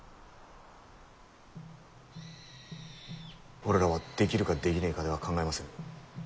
俺らはできるかできねえかでは考えませぬ。